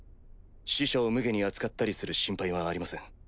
使者をむげに扱ったりする心配はありません。